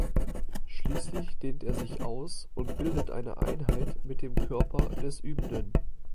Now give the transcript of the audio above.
Schließlich dehnt er sich aus und bildet eine Einheit mit dem Körper des Übenden.